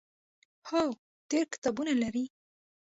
هو، ډیر کتابونه لري